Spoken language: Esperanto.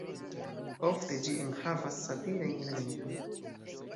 Ofte ĝi enhavas satirajn elementojn.